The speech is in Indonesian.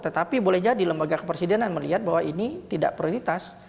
tetapi boleh jadi lembaga kepresidenan melihat bahwa ini tidak prioritas